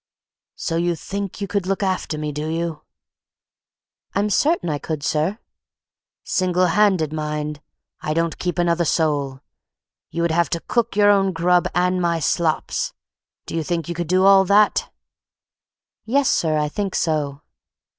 "So you think you could look after me, do you?" "I'm certain I could, sir." "Single handed, mind! I don't keep another soul. You would have to cook your own grub and my slops. Do you think you could do all that?" "Yes, sir, I think so."